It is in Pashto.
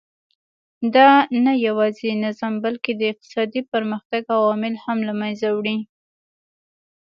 دا نه یوازې نظم بلکې د اقتصادي پرمختګ عوامل هم له منځه وړي.